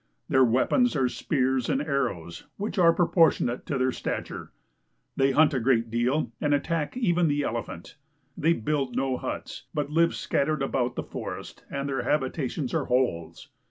Their weapons are spears and ari ows, which are proportionate to their stature. They hunt a great deal and attack even the elephant. They build no huts, but live scattered about the forest, and their habitations are holes.